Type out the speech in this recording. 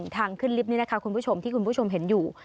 ทางขึ้นลิฟต์นี้นะคะคุณผู้ชมที่คุณผู้ชมเห็นอยู่